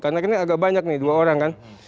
karena ini agak banyak nih dua orang kan